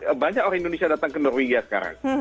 ya banyak orang indonesia datang ke norwegia sekarang